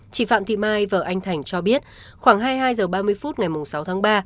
chị phạm thị mai và anh thành cho biết khoảng hai mươi hai h ba mươi phút ngày sáu tháng ba